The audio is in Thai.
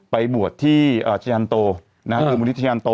ไปบวชที่ทิจาณโต